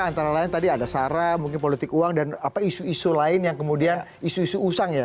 antara lain tadi ada sara mungkin politik uang dan apa isu isu lain yang kemudian isu isu usang ya